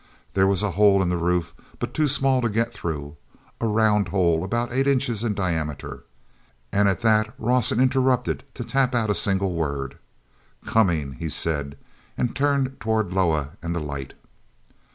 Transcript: There was a hole in the roof, but too small to get through—a round hole, about eight inches in diameter. And, at that, Rawson interrupted to tap out a single word. "Coming!" he said, and turned toward Loah and the light.